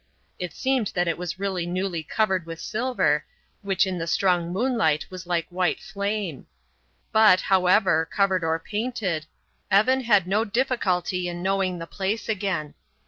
It seemed that it was really newly covered with silver, which in the strong moonlight was like white flame. But, however, covered or painted, Evan had no difficult in knowing the place again.